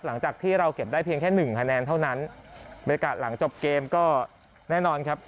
หลังจากที่เราเก็บได้เพียงแค่หนึ่งคะแนนเท่านั้นบรรยากาศหลังจบเกมก็แน่นอนครับ